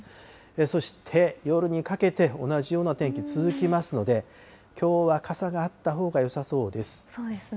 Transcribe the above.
そして夜にかけて、同じような天気、続きますので、きょうは傘がそうですね。